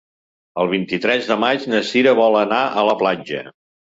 El vint-i-tres de maig na Cira vol anar a la platja.